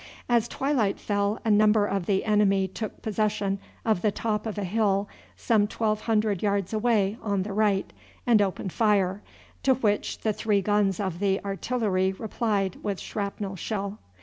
As twilight fell a number of the enemy took possession of the top of a hill some twelve hundred yards away on the right and opened fire, to which the three guns of the artillery replied with shrapnel shell.